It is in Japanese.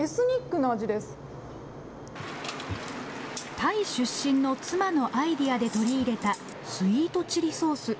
タイ出身の妻のアイデアで取り入れたスイートチリソース。